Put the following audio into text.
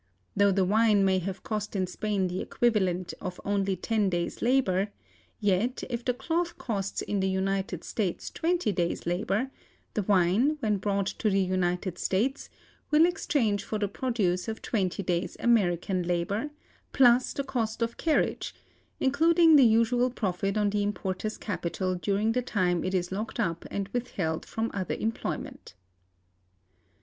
Though the wine may have cost in Spain the equivalent of only ten days' labor, yet, if the cloth costs in the United States twenty days' labor, the wine, when brought to the United States, will exchange for the produce of twenty days' American labor, plus the cost of carriage, including the usual profit on the importer's capital during the time it is locked up and withheld from other employment.